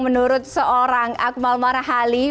menurut seorang akmal marahali